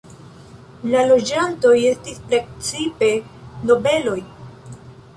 La loĝantoj estis precipe nobeloj.